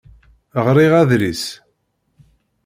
Ɣriɣ adlis.